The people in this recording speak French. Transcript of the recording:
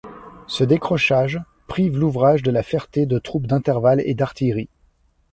Ce décrochage prive l'ouvrage de La Ferté de troupes d'intervalles et d'artillerie.